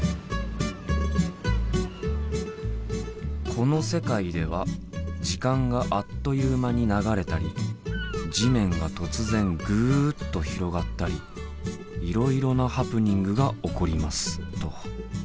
「この世界では時間があっという間に流れたり地面が突然ぐっと広がったりいろいろなハプニングが起こります」と。